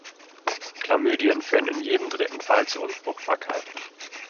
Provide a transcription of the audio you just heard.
Chlamydien führen in jedem dritten Fall zu Unfruchtbarkeit.